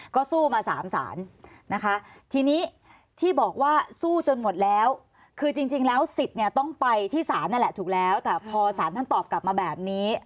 ก็สู้มา๓ศาลนะคะทีนี้ที่บอกว่าสู้จนหมดแล้วคือจริงแล้วสิทธิ์เนี่ยต้องไปที่ศาลนั่นแหละถูกแล้วแต่พอสารท่านตอบกลับมาแบบนี้